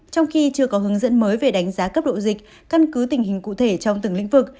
trong khi chưa có hướng dẫn mới về đánh giá cấp độ dịch căn cứ tình hình cụ thể trong từng lĩnh vực